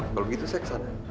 kalau begitu saya kesana